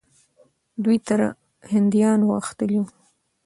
دوی تر هندیانو غښتلي وو.